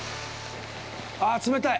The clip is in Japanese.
あ、冷たい。